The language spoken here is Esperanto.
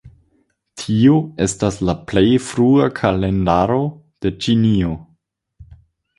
Tio estas la plej frua kalendaro de Ĉinio.